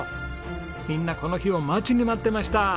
みんなこの日を待ちに待っていました！